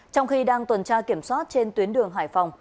trong khi đang tuần tra kiểm soát trên tuyến đường hải phòng